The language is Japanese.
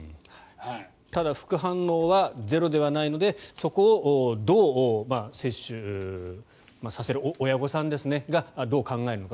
ただ、副反応はゼロではないのでそこをどう接種させる親御さんがどう考えるのか。